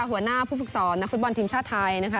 หัวหน้าผู้ฝึกสอนนักฟุตบอลทีมชาติไทยนะคะ